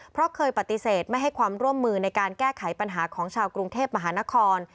เพราะเคยปฏิเสธไม่ให้ความร่วมมือในการแก้ไขปัญหาของชาวกรุงเทพมหานคร